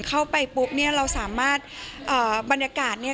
เข้าไปปุ๊บเนี่ยเราสามารถเอ่อบรรยากาศเนี่ย